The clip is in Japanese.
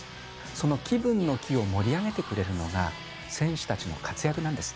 その気分の気を盛り上げてくれるのが、選手たちの活躍なんです。